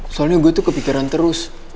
soalnya gue tuh kepikiran terus